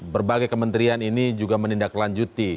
berbagai kementerian ini